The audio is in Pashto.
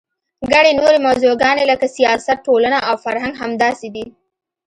ګڼې نورې موضوعګانې لکه سیاست، ټولنه او فرهنګ همداسې دي.